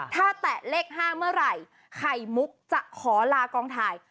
ถ้าแตะเลข๕เมื่อไหร่ไข่มุกจะขอลากองถ่าย